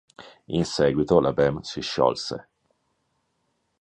In seguito la band si sciolse.